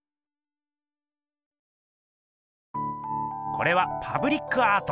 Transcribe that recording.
これはパブリックアート。